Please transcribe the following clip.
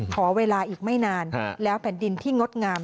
ขอเวลาอีกไม่นานแล้วแผ่นดินที่งดงาม